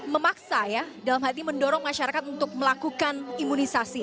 memaksa ya dalam hati mendorong masyarakat untuk melakukan imunisasi